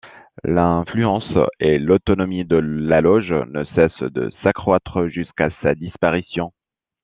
L'influence et l'autonomie de la loge ne cesse de s'accroitre jusqu’à sa disparition.